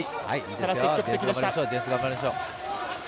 ただ積極的でした。